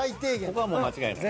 ここは間違いない。